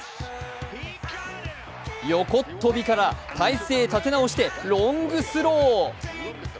横っ飛びから態勢立て直してロングスロー。